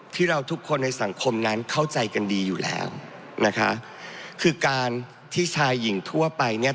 ทุกคนในสังคมนั้นเข้าใจกันดีอยู่แล้วนะคะคือการที่ชายหญิงทั่วไปเนี่ย